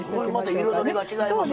また彩りが違いますな。